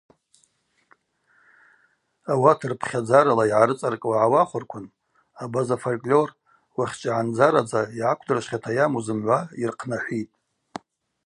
Ауат рпхьадзарала йгӏарыцӏаркӏуа гӏауахвырквын, абаза фольклор уахьчӏвигӏандзарадза йгӏаквдрышвхьата йаму зымгӏва йырхънахӏвитӏ.